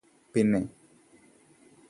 പിന്നെ